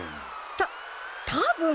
たたぶん？